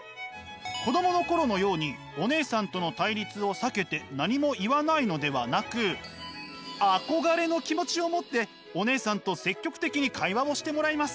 子どもの頃のようにお姉さんとの対立を避けて何も言わないのではなく憧れの気持ちを持ってお姉さんと積極的に会話をしてもらいます。